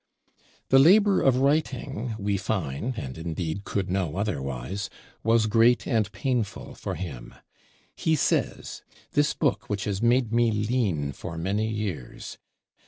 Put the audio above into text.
The labor of writing, we find, and indeed could know otherwise, was great and painful for him; he says, "This Book, which has made me lean for many years."